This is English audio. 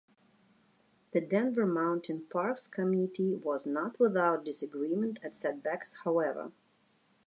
The Denver Mountain Parks committee was not without disagreement and setbacks, however.